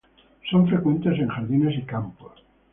Son frecuentes en jardines y campos.